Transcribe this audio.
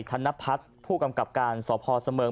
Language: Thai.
ธนพัฒน์ผู้กำกับการสพเสมิง